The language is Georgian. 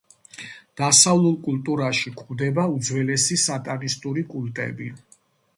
დასავლურ კულტურაში გვხვდება უძველესი სატანისტური კულტები.